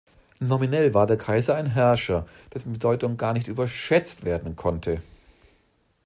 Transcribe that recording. Nominell war der Kaiser ein Herrscher, dessen Bedeutung gar nicht überschätzt werden konnte.